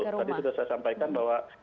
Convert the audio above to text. tadi sudah saya sampaikan bahwa